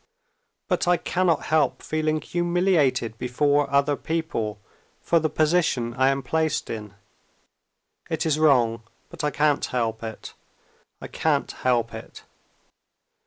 But I cannot help feeling humiliated before other people for the position I am placed in. It is wrong, but I can't help it, I can't help it."